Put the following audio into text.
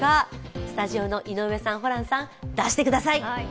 スタジオの井上さん、ホランさん出してください。